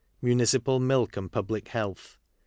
Municipal Milk and Public Sealth.